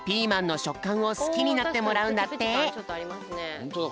ほんとだ。